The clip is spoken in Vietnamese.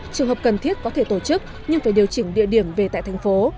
trường hợp cần thiết có thể tổ chức nhưng phải điều chỉnh địa điểm về tại thành phố